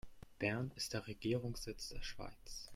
Bern ist der Regierungssitz der Schweiz.